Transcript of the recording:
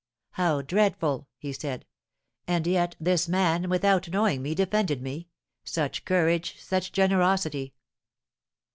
"How dreadful!" he said. "And yet this man without knowing me defended me; such courage, such generosity!"